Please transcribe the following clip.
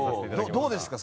どうですか？